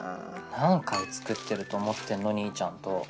何回作ってると思ってんの兄ちゃんと。